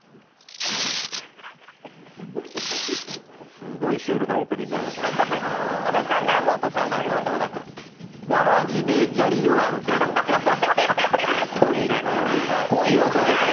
すごいシュールなオープニングやな、これ。